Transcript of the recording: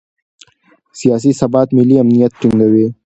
سیاسي ثبات ملي امنیت ټینګوي